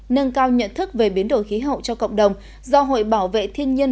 nâng cao nhận thức về biến đổi khí hậu cho cộng đồng do hội bảo vệ thiên nhiên